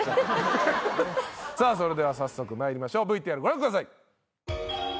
さあそれでは早速参りましょうＶＴＲご覧ください。